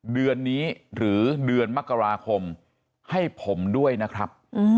เดือนนี้หรือเดือนมกราคมให้ผมด้วยนะครับ